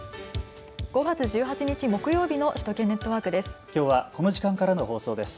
５月１８日木曜日の首都圏ネットワークです。